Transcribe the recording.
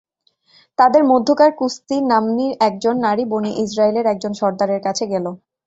তাদের মধ্যকার কুস্তি নাম্নী একজন নারী বনী ইসরাঈলের একজন সরদারের কাছে গেল।